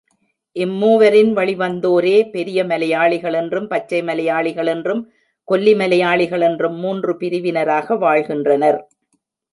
இம்மூவரின் வழிவந்தோரே பெரிய மலையாளிகள் என்றும், பச்சை மலையாளிகள் என்றும், கொல்லி மலையாளிகள் என்றும் மூன்று பிரிவினராக வாழ்கின்றனர்.